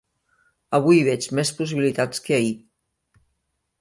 Avui hi veig més possibilitats que ahir.